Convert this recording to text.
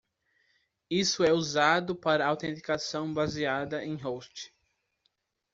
Isso é usado para autenticação baseada em host.